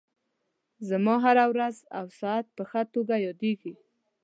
زما هغه ورځ او ساعت په ښه توګه یادېږي.